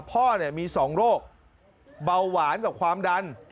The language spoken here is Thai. พ่อมี๒โรคเบาหวานกับความดัน